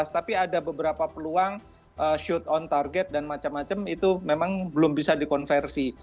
tapi ada beberapa peluang shoot on target dan macam macam itu memang belum bisa dikonversi